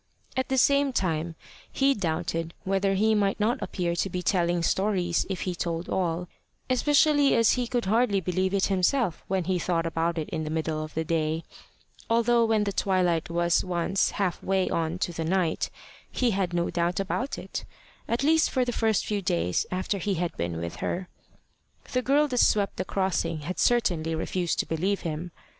At the same time he doubted whether he might not appear to be telling stories if he told all, especially as he could hardly believe it himself when he thought about it in the middle of the day, although when the twilight was once half way on to night he had no doubt about it, at least for the first few days after he had been with her. The girl that swept the crossing had certainly refused to believe him.